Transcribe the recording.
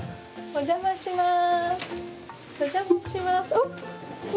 お邪魔します。